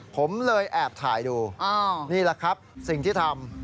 ผมเลยแอบถ่ายดูนี่แหละครับสิ่งที่ทำ